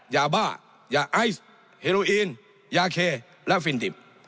ยาบ้ายาไอซ์เฮโรอีนยาเคและฟินดิบ